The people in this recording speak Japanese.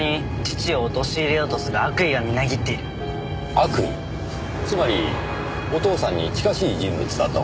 悪意つまりお父さんに近しい人物だと？